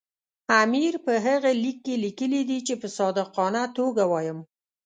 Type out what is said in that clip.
امیر په هغه لیک کې لیکلي دي چې په صادقانه توګه وایم.